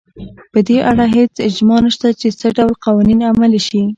په دې اړه هېڅ اجماع نشته چې څه ډول قوانین عملي شي.